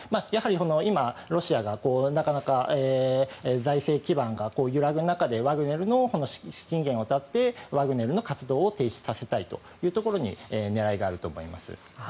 今、ロシアがなかなか財政基盤が揺らぐ中でワグネルの資金源を断ってワグネルの活動を停止させたいというところに狙いがあると思います。